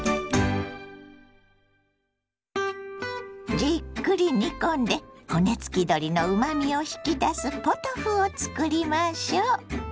じっくり煮込んで骨付き鶏のうまみを引き出すポトフを作りましょ。